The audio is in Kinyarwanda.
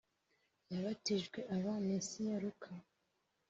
yabatijwe aba mesiya luka